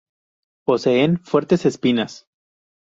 Poseen fuertes espinas.